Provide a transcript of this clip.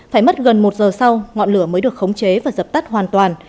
phải mất gần một giờ sau ngọn lửa mới được khống chế và dập tắt hoàn toàn